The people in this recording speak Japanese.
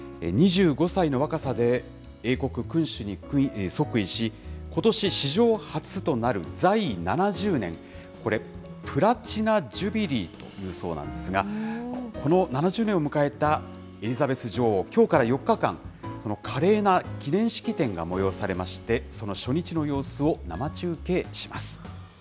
２５歳の若さで英国君主に即位し、ことし、史上初となる在位７０年、これ、プラチナジュビリーというそうなんですが、この７０年を迎えたエリザベス女王、きょうから４日間、この華麗な記念式典が催されまして、その初日の様子を生中継します。